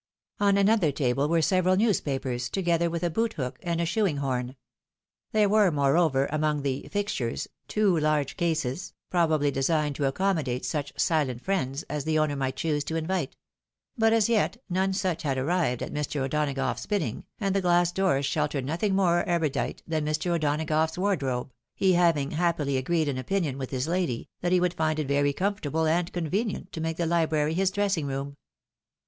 On another table were several news papers, together with a boot hook and a shoeingrhom. There were, moreover, among " the fixtures," two large cases, pro bably designed to accommodate such " silent friends" as the 264 THE WIDOW MAEEIED. owner might otoose to invite ; but as yet, none such had ar rived at Mr. O'Donagough's bidding, and the glass doors sheltered nothing more erudite than Mr. O'Donagough's ward robe, he having happily agreed in opinion vrith his lady, that he would find it very comfortable and convenient to make the library his dressing room.